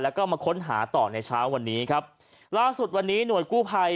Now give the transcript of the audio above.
แล้วก็มาค้นหาต่อในเช้าวันนี้ครับล่าสุดวันนี้หน่วยกู้ภัย